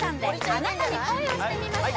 「あなたに恋をしてみました」